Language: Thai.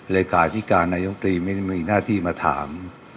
เลยการที่การนายวงธรีมีหน้าที่มาถาม